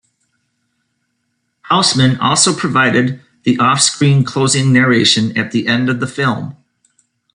Houseman also provided the offscreen closing narration at the end of the film.